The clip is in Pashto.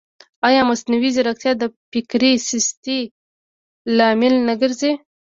ایا مصنوعي ځیرکتیا د فکري سستۍ لامل نه ګرځي؟